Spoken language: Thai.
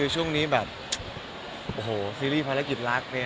ช่วงนี้แบบโอ้โหซีรีส์ภารกิจรัก